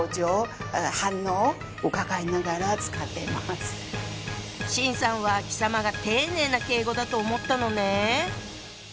はぁ⁉秦さんは「貴様」が丁寧な敬語だと思ったのね。